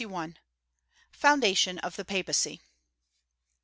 390 461. FOUNDATION OF THE PAPACY.